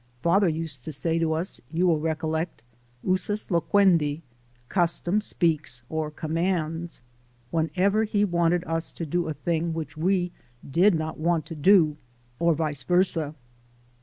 Father used to say to us, you will recollect : "Usus loquendi !" (custom speaks or commands) whenever he wanted us to do a thing which we did not want to do, or vice versa.